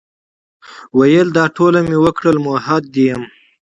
ویل دا ټول مي وکړل، مؤحد یم ،